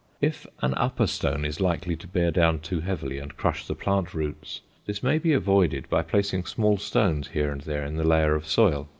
If an upper stone is likely to bear down too heavily and crush the plant roots, this may be avoided by placing small stones here and there in the layer of soil.